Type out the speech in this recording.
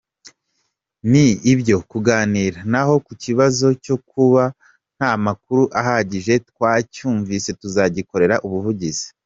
Ni ibyo kuganira, naho ku kibazo cyo kuba nta makuru ahagije, twacyumvise tuzagikorera ubuvugizi.